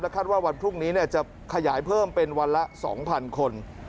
คาดว่าวันพรุ่งนี้จะขยายเพิ่มเป็นวันละ๒๐๐คน